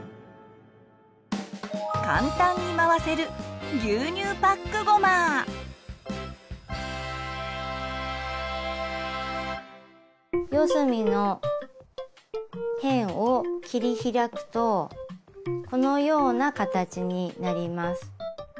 簡単に回せる四隅の辺を切り開くとこのような形になります。